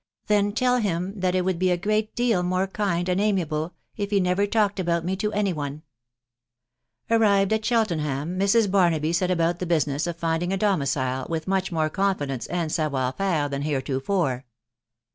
" Then tell him that it would be a great deal more kind1 and amiable if he never agatn talked about me to any one." Arrived at Cheltenham, Mrs. Barnaby set about the business of finding a domicile with much more confidence and savoir /aire than heretofore.